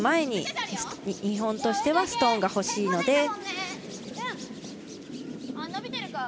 日本としてはストーンが欲しいので。